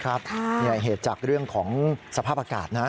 ครับใช่ค่ะเนี่ยเหตุจากเรื่องของสภาพอากาศนะ